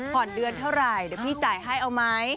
เดือนเท่าไหร่เดี๋ยวพี่จ่ายให้เอาไหม